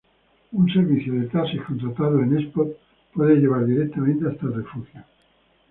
Un servicio de taxis contratado en Espot puede llevar directamente hasta el refugio.